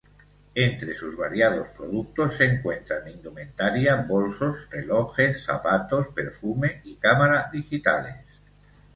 Entre sus variados productos se encuentran Indumentaria, bolsos, relojes, zapatos, perfume y Cámara digitales.